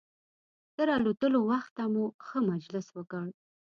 تر الوتلو وخته مو ښه مجلس وکړ.